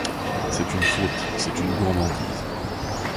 C'est une faute, c'est une gourmandise.